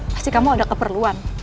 pasti kamu ada keperluan